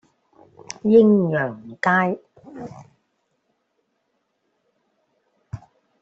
鷹揚街